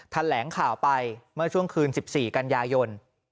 แถลงข่าวไปเมื่อช่วงคืน๑๔กันยายน